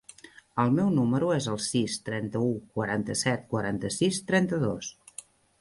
El meu número es el sis, trenta-u, quaranta-set, quaranta-sis, trenta-dos.